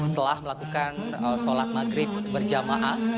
setelah melakukan sholat maghrib berjamaah